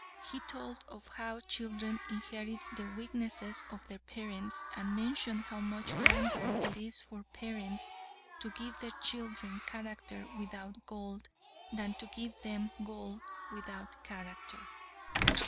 He told of how children inherit the weaknesses of their parents, and mentioned how much grander it is for parents to give their children character without gold, than to give them gold without character.